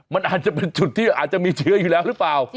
มันอาจจะเป็นจุดที่อาจจะมีเชื้ออยู่แล้วหรือเปล่า